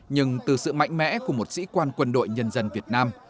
nhưng từ sự mạnh mẽ của một sĩ quan quân đội nhân dân việt nam